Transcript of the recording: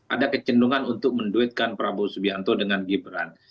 ada kecendungan untuk menduitkan prabowo subianto dengan gibran